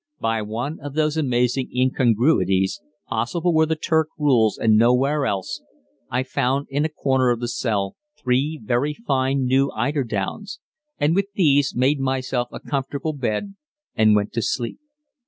By one of those amazing incongruities, possible where the Turk rules and nowhere else, I found in a corner of the cell three very fine new eiderdowns, and with these made myself a comfortable bed and went to sleep.